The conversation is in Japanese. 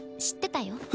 知ってたよ。